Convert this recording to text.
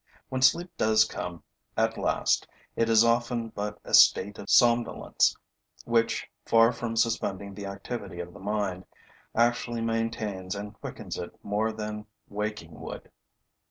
When sleep does come at last, it is often but a state of somnolence which, far from suspending the activity of the mind, actually maintains and quickens it more than waking would.